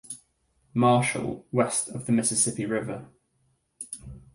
Marshal west of the Mississippi River.